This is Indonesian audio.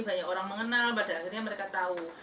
banyak orang mengenal pada akhirnya mereka tahu